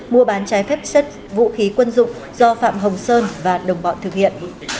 mua bán trái phép vũ khí quân dụng do phạm hồng sơn và đồng bọn thực hiện